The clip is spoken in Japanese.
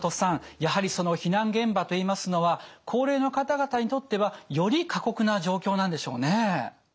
やはりその避難現場といいますのは高齢の方々にとってはより過酷な状況なんでしょうね。